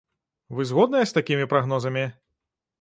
Вы згодныя з такімі прагнозамі?